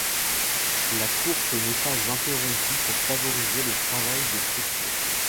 La course n'est pas interrompue pour favoriser le travail des secours.